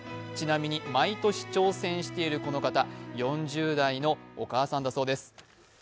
ちなみに毎年挑戦しているこの方、４０代のお母さんだそうです。